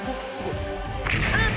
あっ！